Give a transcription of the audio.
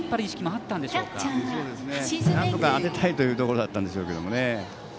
なんとか当てたいところだったんでしょうけどね。